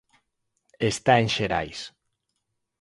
Está en Xerais.